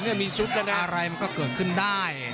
นี่มีซุตฯกันแหละอะไรมันก็เกิดขึ้นได้